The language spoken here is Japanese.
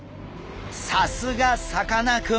さすがさかなクン！